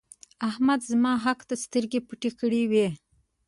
احمد زما حق ته سترګې پټې کړې وې.